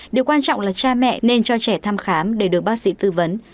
điều quan trọng là cha mẹ nên cho trẻ thăm khám để được bác sĩ tư vấn